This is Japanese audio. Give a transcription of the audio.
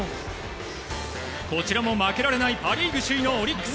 こちらも負けられないパ・リーグ首位のオリックス。